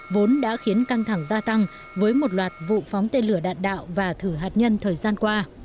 vốn đã khiến căng thẳng gia tăng với một loạt vụ phóng tên lửa đạn đạo và thử hạt nhân thời gian qua